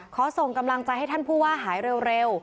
ส่งกำลังใจให้ท่านผู้ว่าหายเร็ว